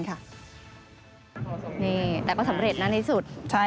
นี่แต่ก็สำเร็จนะในที่สุด